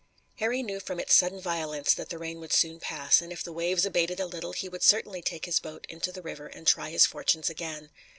Harry knew from its sudden violence that the rain would soon pass, and if the waves abated a little he would certainly take his boat into the river and try his fortunes again.